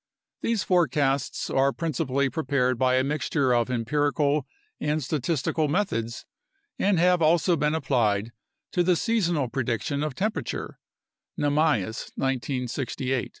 These forecasts are principally prepared by a mixture of empirical and statistical methods and have also been applied to the seasonal predic tion of temperature (Namias, 1968).